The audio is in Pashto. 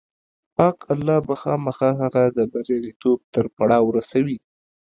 پاک الله به خامخا هغه د برياليتوب تر پړاوه رسوي.